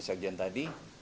ada pekerjaan baru